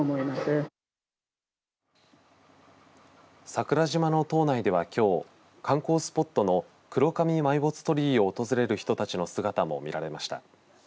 桜島の島内では、きょう観光スポットの黒神埋没鳥居を訪れる人たちの姿も見られました。